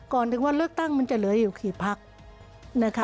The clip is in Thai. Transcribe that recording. ก่อนถึงวันเลือกตั้งมันจะเหลืออยู่กี่พักนะคะ